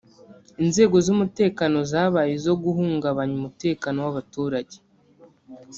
Inzego z’umutekano zabaye izo guhungabanya umutekano w’abaturage